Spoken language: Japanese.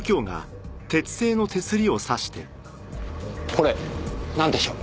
これなんでしょう。